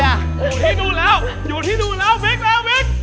อยู่ที่ดูแล้วอยู่ที่ดูแล้ววิ๊กเร็ววิ๊ก